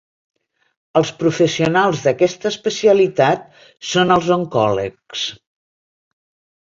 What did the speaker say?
Els professionals d'aquesta especialitat són els oncòlegs.